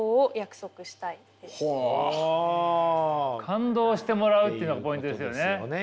感動してもらうっていうのがポイントですよね。